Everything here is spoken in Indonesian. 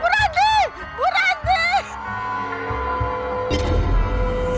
bu ranti bu ranti